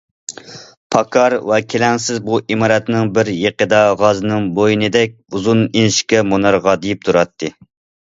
پاكار ۋە كېلەڭسىز بۇ ئىمارەتنىڭ بىر يېقىدا غازنىڭ بوينىدەك ئۇزۇن، ئىنچىكە مۇنار غادىيىپ تۇراتتى.